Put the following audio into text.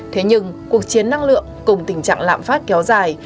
thế nhưng cuộc chiến năng lượng cùng tình trạng lạm phát kéo dài